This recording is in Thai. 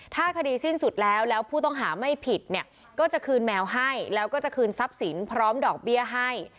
ถ้าคดีสิ้นสุดแล้วแล้วผู้ต้องหาไม่ผิดเนี่ยก็จะคืนแมวให้แล้วก็จะคืนทรัพย์สินพร้อมดอกเบี้ยให้